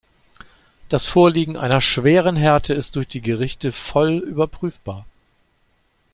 Das Vorliegen einer schweren Härte ist durch die Gerichte voll überprüfbar.